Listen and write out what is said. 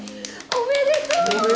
おめでとう！